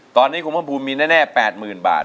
ตอนนี้คุณเพิ่มภูมิมีแน่แปดหมื่นบาท